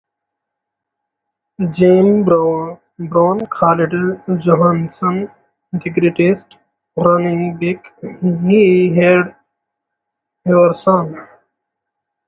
Jim Brown called Johnson the greatest running back he had ever seen.